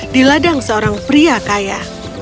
di ladang seorang pria kaya